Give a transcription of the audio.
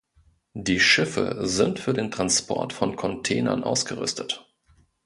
Die Schiffe sind für den Transport von Containern ausgerüstet.